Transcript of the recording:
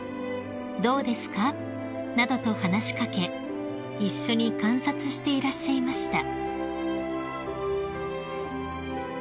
「どうですか？」などと話し掛け一緒に観察していらっしゃいました］